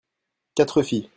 quatre filles.